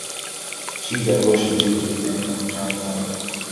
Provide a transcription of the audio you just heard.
She is of Russian Jewish descent on her paternal side.